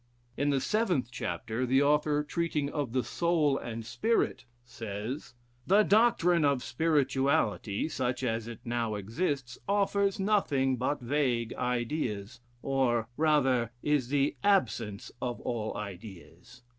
In the seventh chapter the author, treating of the soul and spirit says: "The doctrine of spirituality, such as it now exists, offers nothing but vague ideas, or, rather, is the absence of all ideas.